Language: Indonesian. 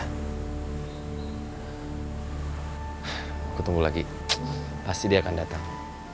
aku tunggu lagi pasti dia akan datang